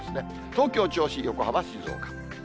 東京、銚子、横浜、静岡。